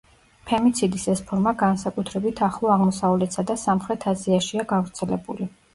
ფემიციდის ეს ფორმა განსაკუთრებით ახლო აღმოსავლეთსა და სამხრეთ აზიაშია გავრცელებული.